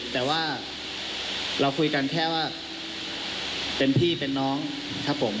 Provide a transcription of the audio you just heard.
แต่ว่าเราคุยกันแค่ว่าเป็นพี่เป็นน้องครับผม